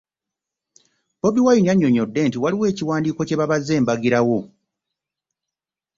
Bobi Wine annyonnyodde nti waliwo ekiwandiiko kye babaze mbagirawo